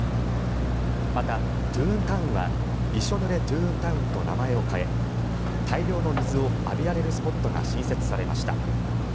また、トゥーンタウンはびしょ濡れトゥーンタウンと名前を変え大量の水を浴びられるスポットが新設されました。